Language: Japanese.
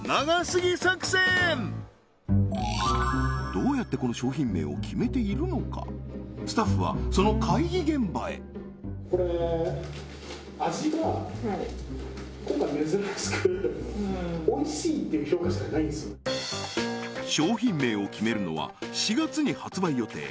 どうやってこの商品名を決めているのかスタッフはその会議現場へこれ商品名を決めるのは４月に発売予定